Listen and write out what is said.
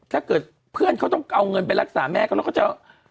ถ้าเพื่อนเขาต้องเอาเงินไปรักษาแม่ก็จะ